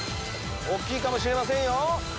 大きいかもしれませんよ。